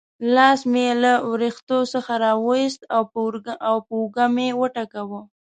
لاس مې یې له وریښتو څخه را وایست او پر اوږه مې وټکاوه.